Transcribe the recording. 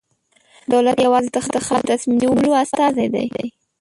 دولت یوازې د خلکو د تصمیم نیولو استازی دی.